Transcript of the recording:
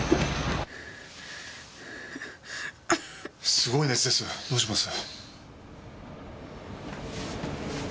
すごい熱ですどうします？